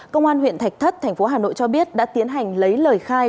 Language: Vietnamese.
công an huyện thạch thất tp hà nội cho biết đã tiến hành lấy lời khai